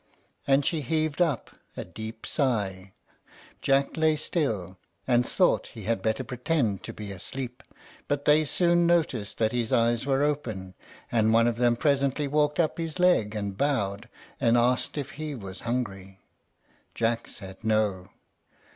And she heaved up a deep sigh. Jack lay still, and thought he had better pretend to be asleep; but they soon noticed that his eyes were open, and one of them presently walked up his leg and bowed, and asked if he was hungry. Jack said, "No."